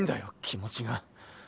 気持ちが。